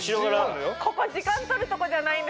ここ時間取るとこじゃないんですよ。